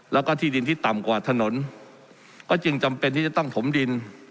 แล้วก็ที่ดินที่ต่ำกว่าถนนก็จึงจำเป็นที่จะต้องถมดิน